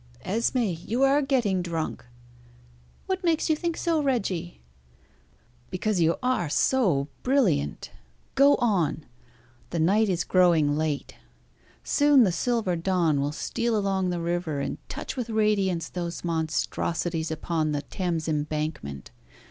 "Esmé, you are getting drunk!" "What makes you think so, Reggie?" "Because you are so brilliant. Go on. The night is growing late. Soon the silver dawn will steal along the river, and touch with radiance those monstrosities upon the Thames Embankment.